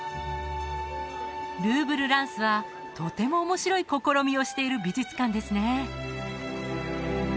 ルーブルランスはとても面白い試みをしている美術館ですね